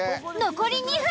残り２分。